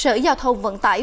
sở giao thông vận tải